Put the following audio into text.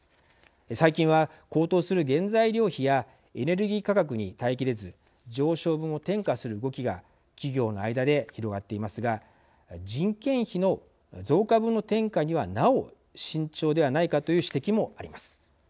最近は高騰する原材料費やエネルギー価格に耐えきれず上昇分を転嫁する動きが企業の間で広がっていますが人件費の増加分の転嫁にはなお慎重ではないかという指摘もあります。